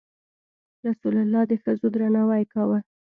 رسول الله د ښځو درناوی کاوه.